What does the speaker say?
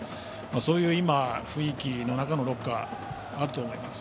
そういう雰囲気の中のロッカーだと思います。